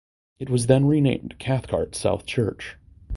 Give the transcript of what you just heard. It was then renamed Cathcart South Church.